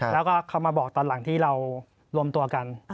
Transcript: แล้วก็เขามาบอกตอนหลังที่เรารวมตัวกัน